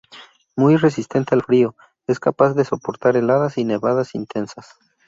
Muy resistente al frío, es capaz de soportar heladas y nevadas intensas.